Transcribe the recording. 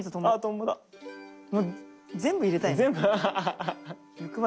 もう全部入れたいな。